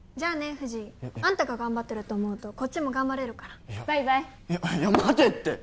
藤井あんたが頑張ってると思うとこっちも頑張れるからバイバイいや待てって！